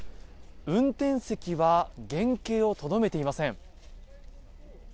運転席は原形をとどめていません。